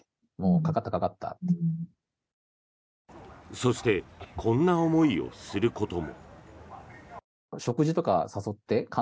そしてこんな思いをすることも。